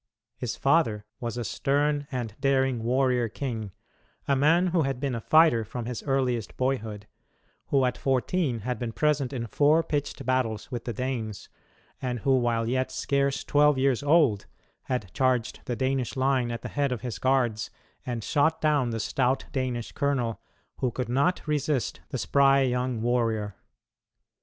His father was a stern and daring warrior king a man who had been a fighter from his earliest boyhood; who at fourteen had been present in four pitched battles with the Danes, and who, while yet scarce twelve years old, had charged the Danish line at the head of his guards and shot down the stout Danish colonel, who could not resist the spry young warrior.